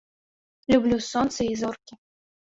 Люблю сонца і зоркі.